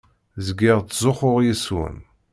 Zgiɣ ttzuxxuɣ yes-wen.